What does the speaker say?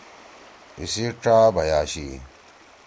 ایسی ڇأ بھئی آشی۔